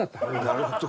なるほど。